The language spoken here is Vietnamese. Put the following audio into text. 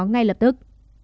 ngay lập tức